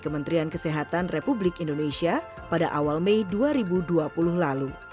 kementerian kesehatan republik indonesia pada awal mei dua ribu dua puluh lalu